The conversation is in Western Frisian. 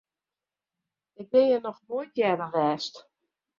Ik ha hjir noch nea earder west.